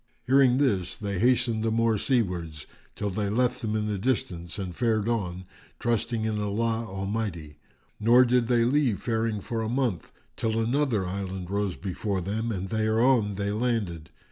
Hearing this they hastened the more seawards till they left them in the distance and fared on, trusting in Allah Almighty; nor did they leave faring for a month, till another island rose before them and thereon they landed.